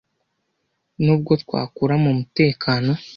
nubwo twakura mumutekano